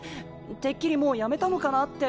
てっきりもう辞めたのかなって。